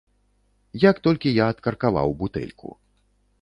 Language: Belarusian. Як толькі я адкаркаваў бутэльку.